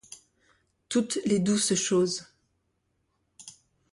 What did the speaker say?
Toutes les douces choses